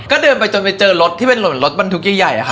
ก็เดินไปจนไปเจอรถที่เป็นหล่นรถบรรทุกใหญ่ค่ะ